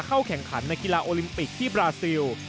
เข้าแข่งขันในกีฬาโอลิมปิกที่บราซิล